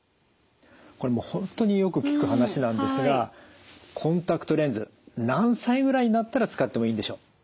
これもう本当によく聞く話なんですがコンタクトレンズ何歳ぐらいになったら使ってもいいんでしょう？